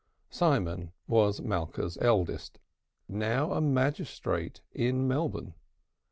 Simon was Malka's eldest, now a magistrate in Melbourne.